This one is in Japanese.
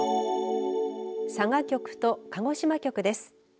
佐賀局と鹿児島局です。